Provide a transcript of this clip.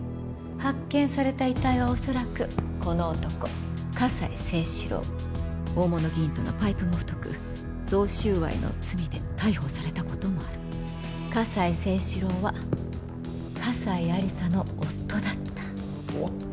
発見された遺体はおそらくこの男葛西征四郎大物議員とのパイプも太く贈収賄の罪で逮捕されたこともある葛西征四郎は葛西亜理紗の夫だった夫！？